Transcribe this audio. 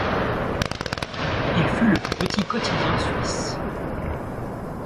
Il fut le plus petit quotidien suisse.